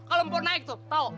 kalau empur naik tuh tau